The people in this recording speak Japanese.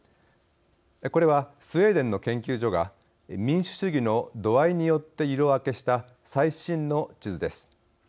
これは、スウェーデンの研究所が民主主義の度合いによって色分けした最新の地図です。